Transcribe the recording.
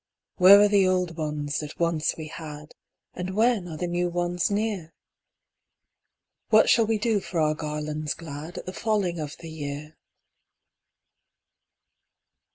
Where are the old ones that once we had, And when are the new ones near? What shall we do for our garlands glad At the falling of the year?"